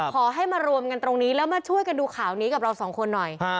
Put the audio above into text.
ขอให้มารวมกันตรงนี้แล้วมาช่วยกันดูข่าวนี้กับเราสองคนหน่อย